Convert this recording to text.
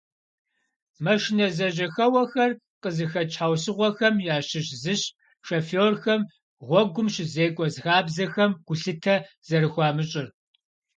Машинэ зэжьыхэуэхэр къызыхэкӏ щхьэусыгъуэхэм ящыщ зыщ шоферхэм гъуэгум щызекӏуэ хабзэхэм гулъытэ зэрыхуамыщӏыр.